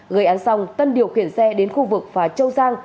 gây án xong tân điều khiển xe đến khu vực phà châu giang